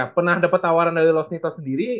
pernah dapet tawaran dari los nito sendiri